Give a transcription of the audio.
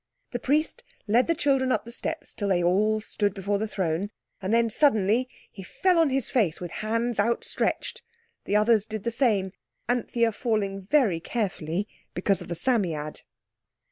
The priest led the children up the steps till they all stood before the throne; and then, suddenly, he fell on his face with hands outstretched. The others did the same, Anthea falling very carefully because of the Psammead.